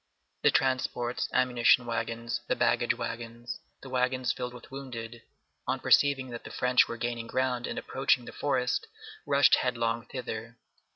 The transports, ammunition wagons, the baggage wagons, the wagons filled with wounded, on perceiving that the French were gaining ground and approaching the forest, rushed headlong thither.